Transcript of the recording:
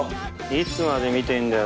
いつまで見てんだよ